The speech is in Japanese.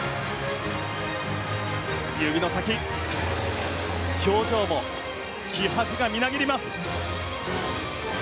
指先、表情も気迫がみなぎります。